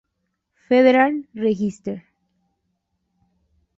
Federal Register.